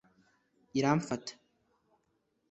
iramfata